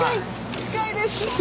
近いです！